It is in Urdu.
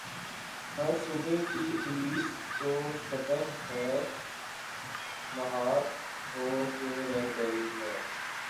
ہر صوبے کی پولیس تو شتر بے مہار ہو کے رہ گئی ہے۔